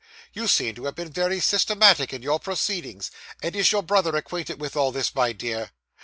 you seem to have been very systematic in your proceedings. And is your brother acquainted with all this, my dear?